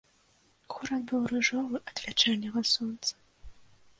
Горад быў ружовы ад вячэрняга сонца.